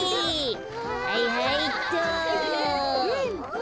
はいはいっと。